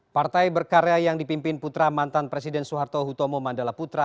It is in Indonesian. partai berkarya yang dipimpin putra mantan presiden soeharto hutomo mandala putra